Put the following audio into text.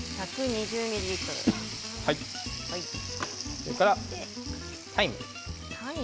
それからタイムです。